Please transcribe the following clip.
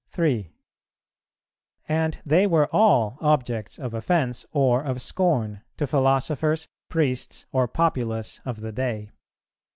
3. And they were all objects of offence or of scorn to philosophers, priests, or populace of the day.